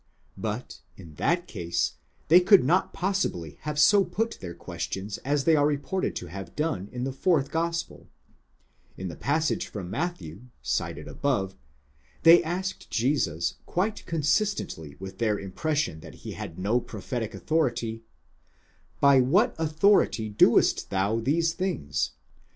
But in that case, they could not pos sibly have so put their questions as they are reported to have done in the fourth gospel. In the passage from Mathew above cited, they asked Jesus, quite consistently with their impression that he had no prophetic authority : ἐν ποίᾳ ἐξουσίᾳ ταῦτα ποιεῖς ; By what authority doest thou these things?